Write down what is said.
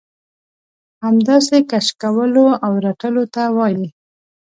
همداسې کش کولو او رټلو ته وايي.